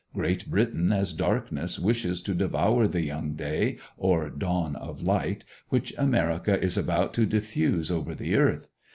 Great Britain, as Darkness, wishes to devour the Young Day, or dawn of light, which America is about to diffuse over the earth.